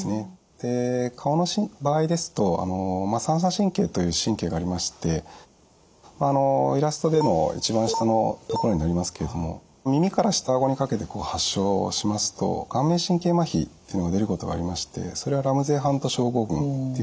で顔の場合ですと三叉神経という神経がありましてイラストでの一番下のところになりますけれども耳から下顎にかけて発症しますと顔面神経まひっていうのが出ることがありましてそれはラムゼイ・ハント症候群っていうふうに呼ばれています。